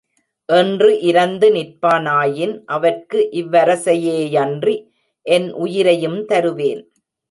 என்று இரந்து நிற்பானாயின், அவற்கு இவ்வரசையே யன்றி என் உயிரையும் தருவேன்.